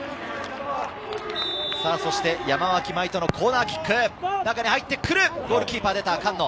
そして山脇舞斗のコーナーキック、中に入ってくる、ゴールキーパーが出た。